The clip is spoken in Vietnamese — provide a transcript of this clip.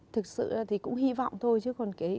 thực sự thì cũng hy vọng thôi chứ còn